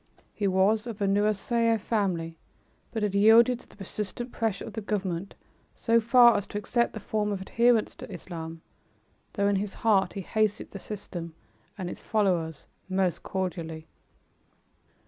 He was of a Nusairiyeh family but had yielded to the persistent pressure of the government so far as to accept the form of adherence to Islam, though in his heart he hated the system and its followers most cordially.